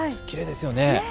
きれいですよね。